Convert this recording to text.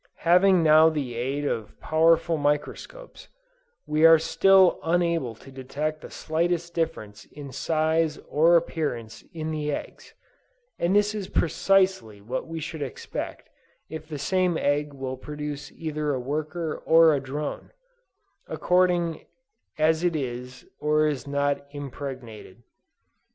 Having now the aid of powerful microscopes, we are still unable to detect the slightest difference in size or appearance in the eggs, and this is precisely what we should expect if the same egg will produce either a worker or a drone, according as it is or is not impregnated.